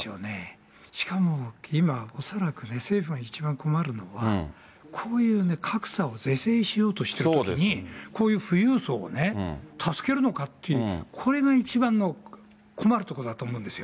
しかも今、恐らく今、政府が一番困るのは、こういうね、格差を是正しようとしているときに、こういう富裕層をね、助けるのかっていう、これが一番の困るところだと思うんですよ。